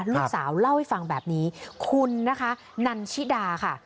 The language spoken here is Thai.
ลูกสาวเล่าให้ฟังแบบนี้คุณนะคะนันชิดาค่ะ